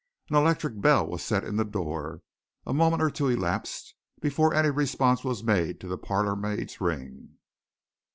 An electric bell was set in the door; a moment or two elapsed before any response was made to the parlourmaid's ring.